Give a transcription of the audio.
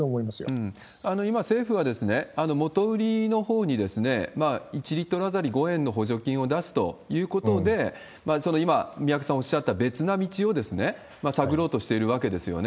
今、政府は、元売りのほうに１リットル当たり５円の補助金を出すということで、今、宮家さんおっしゃった別な道を探ろうとしているわけですよね。